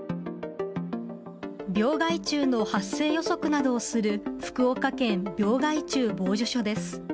病害虫の発生予測などをする、福岡県病害虫防除所です。